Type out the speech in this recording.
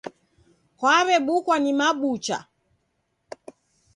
Kwaw'ebukwa ni mabucha.